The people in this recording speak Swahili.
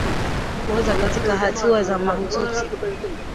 Kupooza katika hatua za mahututi